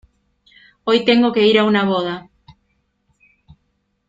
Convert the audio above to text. Hoy tengo que ir a una boda.